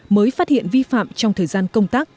mới phát hiện vi phạm trong thời gian công tác